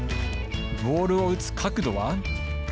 ボールを打つ角度は？